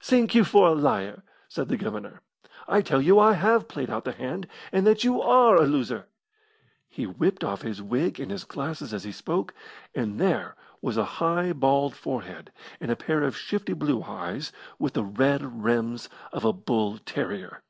"Sink you for a liar!" said the Governor. "I tell you I have played out the hand, and that you are a loser." He whipped off his wig and his glasses as he spoke, and there was a high, bald forehead, and a pair of shifty blue eyes with the red rims of a bull terrier.